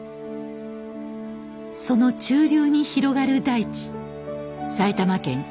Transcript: その中流に広がる大地埼玉県羽生市です。